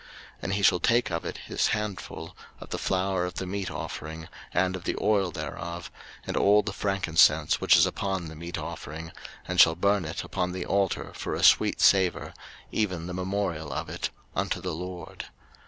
03:006:015 And he shall take of it his handful, of the flour of the meat offering, and of the oil thereof, and all the frankincense which is upon the meat offering, and shall burn it upon the altar for a sweet savour, even the memorial of it, unto the LORD.